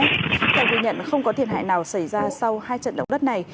theo ghi nhận không có thiệt hại nào xảy ra sau hai trận động đất này